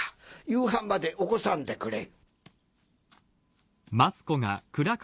夕飯まで起こさんでくれ。